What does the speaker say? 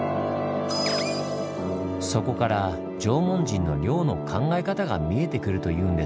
そこから縄文人の漁の考え方が見えてくるというんですが。